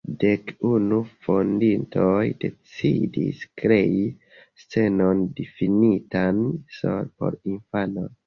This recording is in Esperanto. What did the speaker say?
Dek unu fondintoj decidis krei scenon difinitan sole por infanoj.